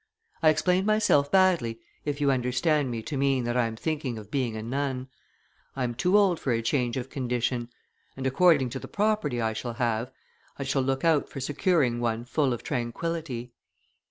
I explained myself badly if you understood me to mean that I am thinking of being a nun; I am too old for a change of condition, and, according to the property I shall have, I shall look out for securing one full of tranquillity.